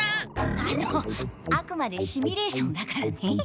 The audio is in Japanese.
あのあくまでシミュレーションだからね。